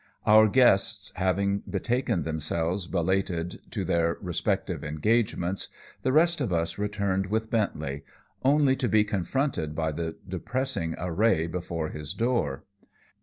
Our guests having betaken themselves belated to their respective engagements, the rest of us returned with Bentley only to be confronted by the depressing array before his door.